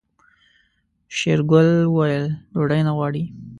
شېرګل وويل ډوډۍ نه غواړي.